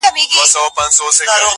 ټکڼه غرمه دَ لېونو دَ ګرځېدو دے وخت